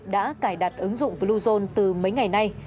đã cài đặt ứng dụng bluezone từ mấy ngày nay